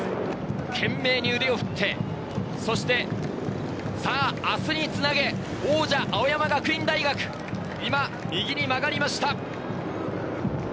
懸命に腕を振って、そして、さぁ明日につなげ、王者・青山学院大学、今、右に曲がりました。